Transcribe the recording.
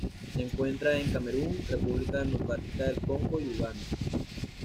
Se encuentra en Camerún República Democrática del Congo y Uganda.